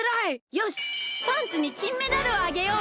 よしパンツにきんメダルをあげよう！